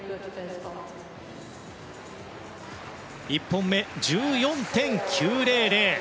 １本目は１４．９００。